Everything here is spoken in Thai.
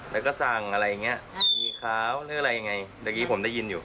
แล้วก็สั่งอะไรอย่างเงี้ยมีขาวหรืออะไรยังไงเมื่อกี้ผมได้ยินอยู่